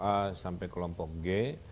a sampai kelompok g